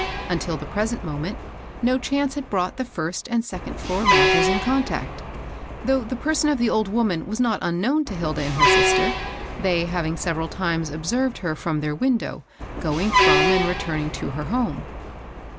Until the present moment, no chance had brought the first and second floor lodgers in con tact, though the person of the old woman was not imknown to Hilda and her sister, they having several times observed her fi'om their window, going from and returning to her home.